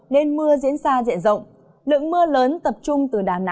nên mưa diễn ra diễn ra